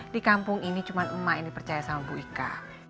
di kampung ini cuma emak yang dipercaya sama bu ika